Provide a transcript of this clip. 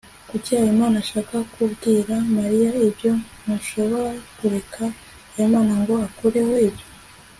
kuki habimana ashaka kubwira mariya ibyo? ntushobora kureka habimana ngo akureho ibyo